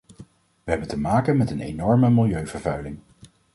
We hebben te maken met een enorme milieuvervuiling.